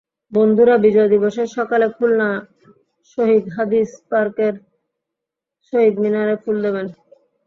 বন্ধুরা বিজয় দিবসের সকালে খুলনা শহীদ হাদিস পার্কের শহীদ মিনারে ফুল দেবেন।